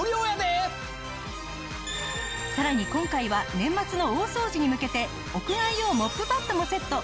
さらに今回は年末の大掃除に向けて屋外用モップパッドもセット。